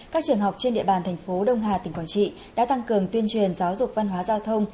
các trường học trên địa bàn thành phố đông hà tỉnh quảng trị đã tăng cường tuyên truyền giáo dục văn hóa giao thông